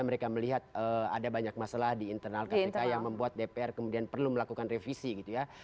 mereka melihat ada banyak masalah di internal kpk yang membuat dpr kemudian perlu melakukan revisi gitu ya